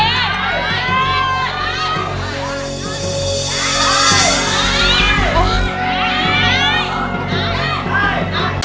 งั้น